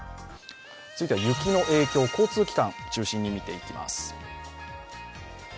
続いては雪の影響、交通機関を中心にみていきます。